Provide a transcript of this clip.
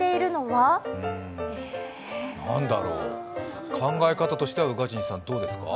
何だろう、考え方としてはどうですか？